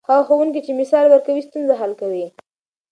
هغه ښوونکی چې مثال ورکوي، ستونزه حل کوي.